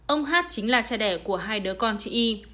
ông hát chính là cha đẻ của hai đứa con chị y